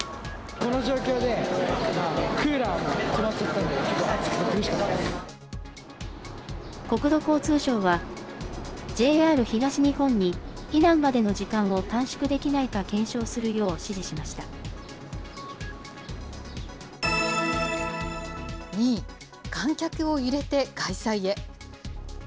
この状況でクーラー止まっちゃったんで、国土交通省は、ＪＲ東日本に避難までの時間を短縮できないか検証するよう、指示２位、観客を入れて開催へ。